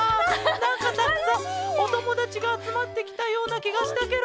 なんかたくさんおともだちがあつまってきたようなきがしたケロ。